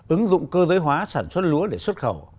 ứng dụng cơ giới hóa sản xuất lúa để xuất khẩu